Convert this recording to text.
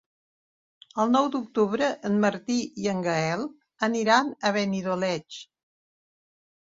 El nou d'octubre en Martí i en Gaël aniran a Benidoleig.